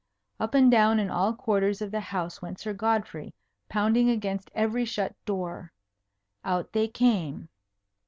Up and down in all quarters of the house went Sir Godfrey, pounding against every shut door. Out they came.